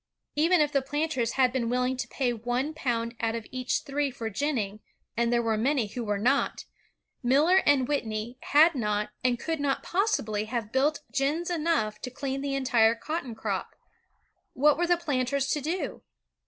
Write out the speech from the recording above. Even if the planters had been willing to pay one pound out of each three for ginning, — and there were many who were not, — Miller and Whitney had not and could not possibly have built gins enough to clean the entire cotton crop. What were the planters to do?